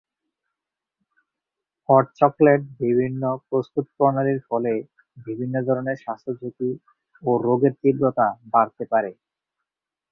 Hot chocolate বিভিন্ন প্রস্তুত প্রণালীর ফলে বিভিন্ন ধরনের স্বাস্থ্য ঝুঁকি ও রোগের তীব্রতা বাড়তে পারে।